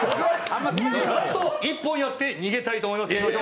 ラスト１本やって逃げたいと思います。